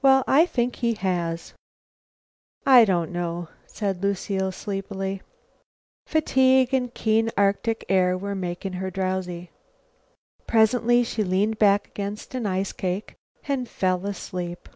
"Well, I think he has." "I don't know," Lucile said sleepily. Fatigue and the keen Arctic air were making her drowsy. Presently, she leaned back against an ice cake and fell asleep.